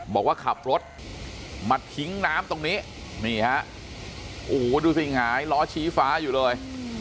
บอกว่าขับรถมาทิ้งน้ำตรงนี้นี่ฮะโอ้โหดูสิหงายล้อชี้ฟ้าอยู่เลย